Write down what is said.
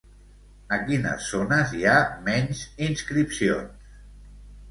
A quines zones hi ha menys inscripcions?